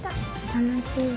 楽しい。